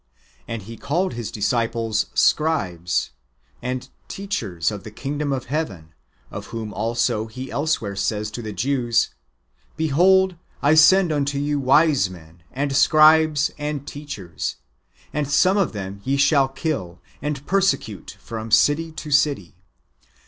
And He called His disciples " scribes " and "teachers of the kingdom of heaven;" of whom also He elsewhere says to the Jews :" Behold, I send unto you wise men, and scribes, and teachers ; and some of them ye shall kill, and persecute from city to city."